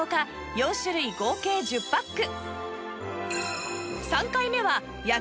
４種類合計１０パック